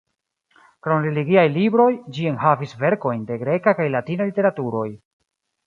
Krom religiaj libroj, ĝi enhavis verkojn de greka kaj latina literaturoj.